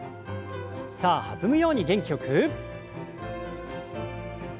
さあ弾むように元気よく。